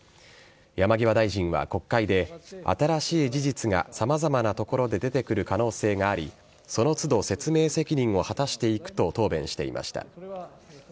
山際大臣は国会で新しい事実が様々なところで出てくる可能性がありその都度、説明責任を果たしていくと答弁していました。